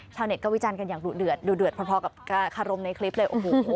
ชาวเน็ตก็วิจันกันอย่างหรูเดือดหรูเดือดพอกับคารมในคลิปเลย